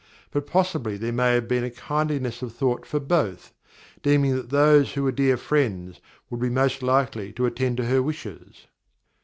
But possibly there may have been a kindliness of thought for both, deeming that those who were dear friends would be most likely to attend to her wishes.